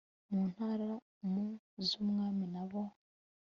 mu ntara m z umwami na bo